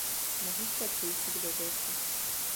Mohu však říci dvě věci.